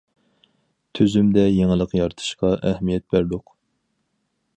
تۈزۈمدە يېڭىلىق يارىتىشقا ئەھمىيەت بەردۇق.